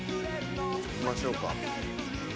行きましょうか。